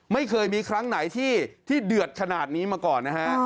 ไม่เคยมีครั้งไหนที่เดือดขนาดนี้มาก่อนนะฮะ